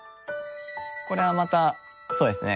これはまたそうですね